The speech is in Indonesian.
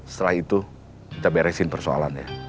setelah itu kita beresin persoalan ya